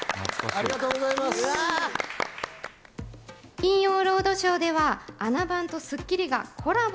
『金曜ロードショー』では『あな番』と『スッキリ』がコラボ。